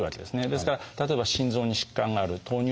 ですから例えば心臓に疾患がある糖尿病がある。